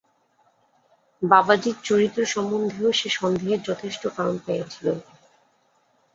বাবাজীর চরিত্র সম্বন্ধেও সে সন্দেহের যথেষ্ট কারণ পাইয়াছিল।